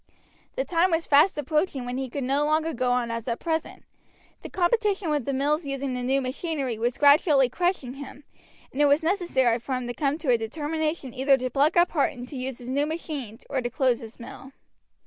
The time was fast approaching when he could no longer go on as at present. The competition with the mills using the new machinery was gradually crushing him, and it was necessary for him to come to a determination either to pluck up heart and to use his new machines, or to close his mill.